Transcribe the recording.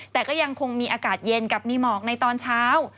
แต่ก็ยังคงมีอากาศเย็นกับมีหมอกในตอนเช้า